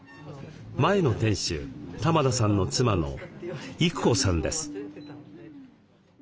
前の店主玉田さんの妻の郁子さんです。